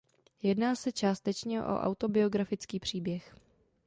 Jedná se částečně o autobiografický příběh.